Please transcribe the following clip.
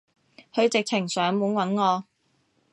佢直情上門搵我